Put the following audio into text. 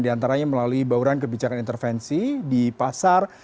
diantaranya melalui bauran kebijakan intervensi di pasar